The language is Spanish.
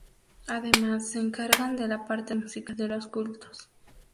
Además se encargan de la parte musical de los cultos.